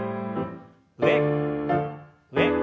上上。